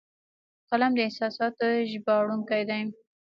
قلم د احساساتو ژباړونکی دی